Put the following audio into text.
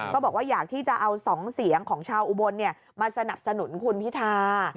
ก็บอกว่าอยากที่จะเอา๒เสียงของชาวอุบรณ์เนี่ยมาสนับสนุนคุณภิษฐา